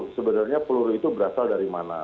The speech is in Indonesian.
sebenarnya peluru itu berasal dari mana